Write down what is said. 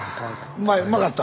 うまかった？